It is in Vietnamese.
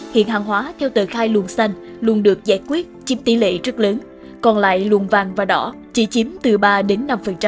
hiện hàng hóa theo tờ khai luồng xanh luôn được giải quyết chiếm tỷ lệ rất lớn còn lại luồng vàng và đỏ chỉ chiếm từ ba đến năm